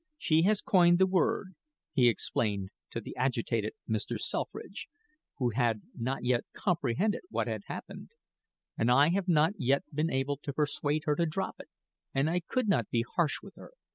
"She has coined the word," he explained to the agitated Mr. Selfridge, who had not yet comprehended what had happened; "and I have not yet been able to persuade her to drop it and I could not be harsh with her.